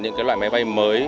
những loại máy bay mới